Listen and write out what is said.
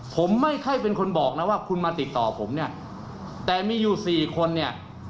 ผมไม่ค่อยเป็นคนบอกนะว่าคุณมาติดต่อผมเนี่ยแต่มีอยู่สี่คนเนี่ย